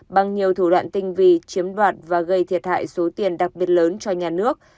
bằng nhiều thủ đoạn tinh vi chiếm đoạt và gây thiệt hại số tiền đặc biệt lớn cho nhà nước